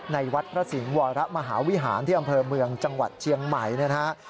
ในวัดพระสิงห์วรมหาวิหารที่อำเภอเมืองจังหวัดเชียงใหม่นะฮะ